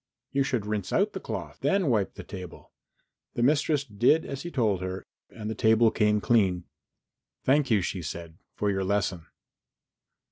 "You should rinse out the cloth, then wipe the table." The mistress did as he told her and the table came clean. "Thank you," she said, "for your lesson."